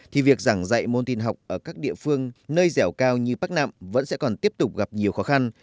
thì việc giảng dạy môn tin học ở các địa phương nơi dẻo cao như bắc nạm vẫn sẽ còn tiếp tục gặp nhiều khó khăn